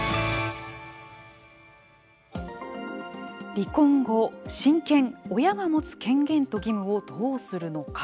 離婚後、親権、親が持つ権限と義務をどうするのか。